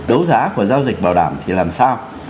đấu giá của giao dịch bảo đảm thì làm sao